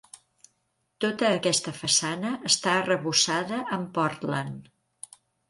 Tota aquesta façana està arrebossada amb Portland.